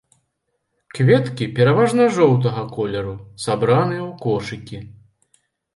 Кветкі пераважна жоўтага колеру, сабраныя ў кошыкі.